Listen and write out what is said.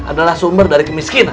adalah sumber dari kemiskinan